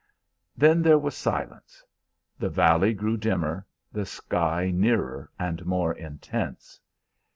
Then there was silence; the valley grew dimmer, the sky nearer and more intense.